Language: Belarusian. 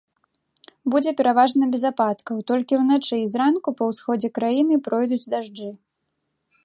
Будзе пераважна без ападкаў, толькі ўначы і зранку па ўсходзе краіны пройдуць дажджы.